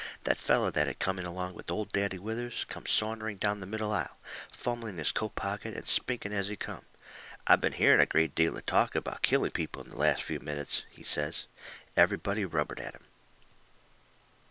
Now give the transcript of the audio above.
That feller that had come in along with Old Daddy Withers come sauntering down the middle aisle, fumbling in his coat pocket, and speaking as he come. "I've been hearing a great deal of talk about killing people in the last few minutes," he says. Everybody rubbered at him.